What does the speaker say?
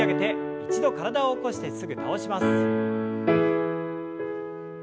一度体を起こしてすぐ倒します。